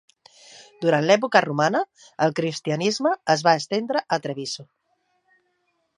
Durant l'època romana, el cristianisme es va estendre a Treviso.